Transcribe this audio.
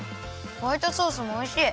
ホワイトソースもおいしい！